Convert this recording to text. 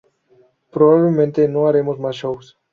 Probablemente nos haremos más shows.